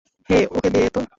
হে, ওকে দে তো।